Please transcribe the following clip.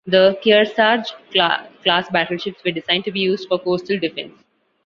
The "Kearsarge"-class battleships were designed to be used for coastal defense.